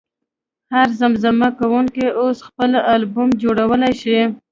هر زمزمه کوونکی اوس خپل البوم جوړولی شي.